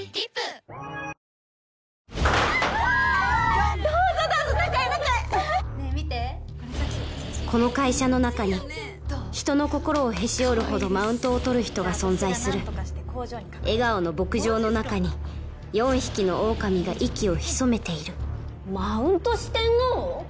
見てこれさっき撮った写真この会社の中に人の心をへし折るほどマウントを取る人が存在する笑顔の牧場の中に４匹のオオカミが息を潜めている「マウント四天王」？